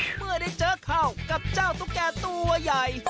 เมื่อได้เจอเข้ากับเจ้าตุ๊กแก่ตัวใหญ่